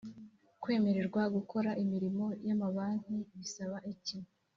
kwemererwa gukora imirimo yamabanki bisaba iki